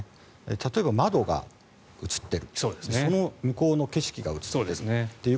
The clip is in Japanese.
例えば窓が写ってるその向こうの景色が写っているという。